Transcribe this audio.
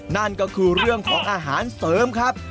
นั่นก็คือเรื่องของอาหารเสริมครับ